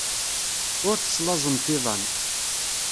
Ur teslaẓemt iḍan.